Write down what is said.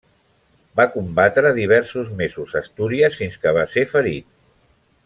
Va combatre diversos mesos a Astúries fins que va ser ferit.